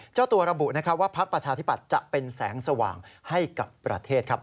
เจ้าตัวระบุนะครับว่าพักประชาธิปัตย์จะเป็นแสงสว่างให้กับประเทศครับ